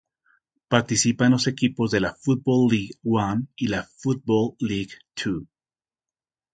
Participan los equipos de la Football League One y la Football League Two.